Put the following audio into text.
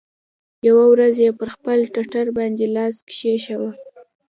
يوه ورځ يې پر خپل ټټر باندې لاس کښېښوو.